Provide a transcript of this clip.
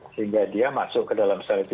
sehingga dia masuk ke dalam sel itu